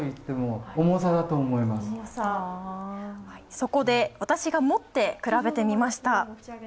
そこで、私が持って比べてみました。